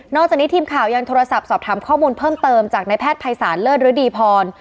จากนี้ทีมข่าวยังโทรศัพท์สอบถามข้อมูลเพิ่มเติมจากนายแพทย์ภัยศาลเลิศฤดีพร